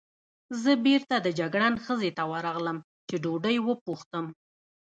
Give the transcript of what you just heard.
زه بېرته د جګړن خزې ته ورغلم، چې ډوډۍ وپوښتم.